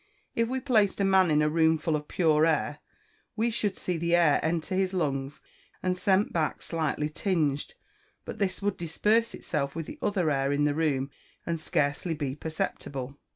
If we placed a man in a room full of pure air, we should see the air enter his lungs, and sent back slightly tinged; but this would disperse itself with the other air of the room and scarcely be perceptible.